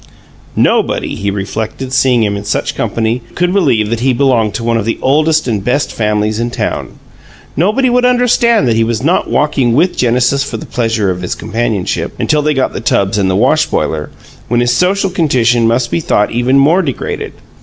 Nobody, he reflected, seeing him in such company, could believe that he belonged to "one of the oldest and best families in town." Nobody would understand that he was not walking with Genesis for the pleasure of his companionship until they got the tubs and the wash boiler, when his social condition must be thought even more degraded.